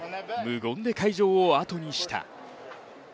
無言で会場をあとにした。